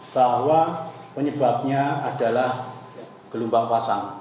bahwa penyebabnya adalah gelombang pasang